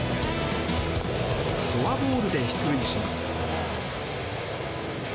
フォアボールで出塁します。